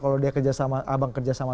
kalau dia kerjasama sama musuh saya